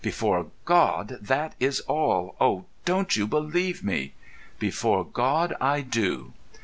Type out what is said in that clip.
"Before God, that is all. Oh, don't you believe me?" "Before God, I do."